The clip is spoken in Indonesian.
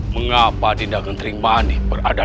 mengapa dinda kentering manik berada disana